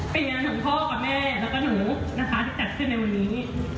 เป็นงานของพ่อกับแม่แล้วก็หนูนะคะที่จัดขึ้นในวันนี้